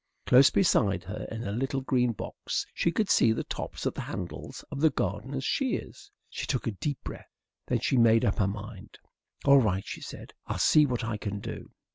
Close beside her, in a little green box, she could see the tops of the handles of the gardener's shears. She took a deep breath. Then she made up her mind. "All right," she said. "I'll see what I can do."